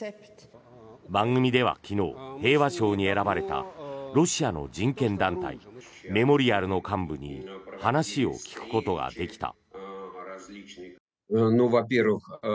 番組では昨日平和賞に選ばれたロシアの人権団体メモリアルの幹部に話を聞くことができた。